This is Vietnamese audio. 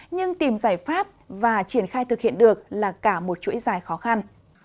nhưng tìm giải pháp và triển khai thực hiện được là cả một chuỗi dài khó khăn